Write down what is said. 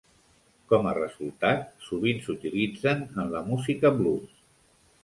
Com a resultat, sovint s'utilitzen en la música blues.